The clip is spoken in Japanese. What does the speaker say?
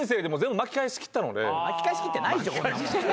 巻き返しきってないでしょ。